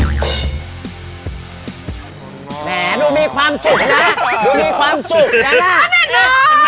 ดูมีความสุขนะ